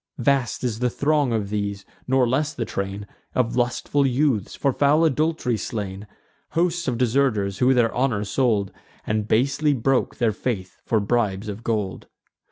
Vast is the throng of these; nor less the train Of lustful youths, for foul adult'ry slain: Hosts of deserters, who their honour sold, And basely broke their faith for bribes of gold.